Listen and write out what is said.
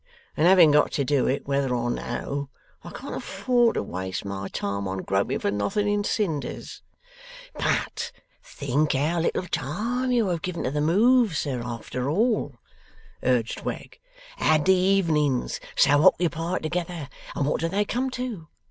And having got to do it whether or no, I can't afford to waste my time on groping for nothing in cinders.' 'But think how little time you have given to the move, sir, after all,' urged Wegg. 'Add the evenings so occupied together, and what do they come to?